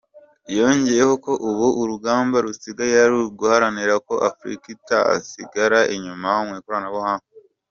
Yongeyeho ko ubu urugamba rusigaye ari uguharanira ko Afurika itasigara inyuma mu ikoranabuhanga.